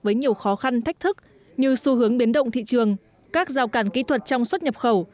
với nhiều khó khăn thách thức như xu hướng biến động thị trường các rào cản kỹ thuật trong xuất nhập khẩu